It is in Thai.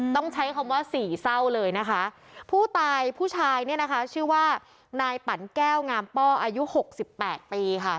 ต้องใช้คำว่าสี่เศร้าเลยนะคะผู้ตายผู้ชายเนี่ยนะคะชื่อว่านายปั่นแก้วงามป้ออายุหกสิบแปดปีค่ะ